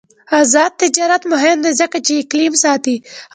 آزاد تجارت مهم دی ځکه چې اقلیم ساتي.